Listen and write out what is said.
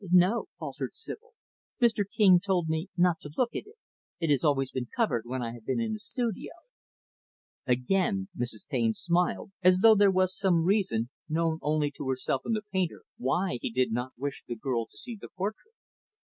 "No," faltered Sibyl. "Mr. King told me not to look at it. It has always been covered when I have been in the studio." Again, Mrs. Taine smiled, as though there was some reason, known only to herself and the painter, why he did not wish the girl to see the portrait.